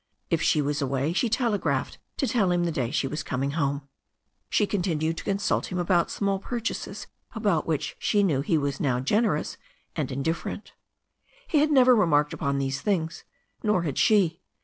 If she was away she telegraphed to tell him the day she was coming home. She continued to consult him about small purchases about which she knew he was now generous and indifferent. He had never remarked upon these things, nor had she.